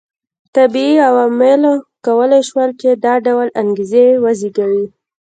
طبیعي عواملو کولای شول چې دا ډول انګېزې وزېږوي